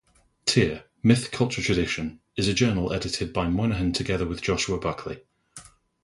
"Tyr: Myth-Culture-Tradition" is a journal edited by Moynihan together with Joshua Buckley.